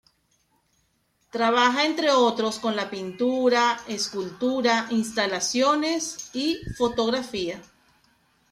Trabaja entre otros con la pintura, escultura, instalaciones, y fotografía.